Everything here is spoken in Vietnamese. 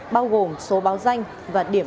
bao gồm số báo danh và điểm